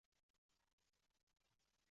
治所约在今越南丽水县地区。